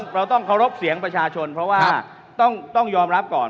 เราต้องเคารพเสียงประชาชนเพราะว่าต้องยอมรับก่อน